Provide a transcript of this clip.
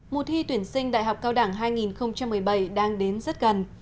mùa thi tuyển sinh đại học cao đẳng hai nghìn một mươi bảy đang đến rất gần